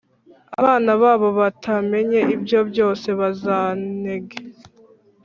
Abana babo batamenye ibyo byose bazatege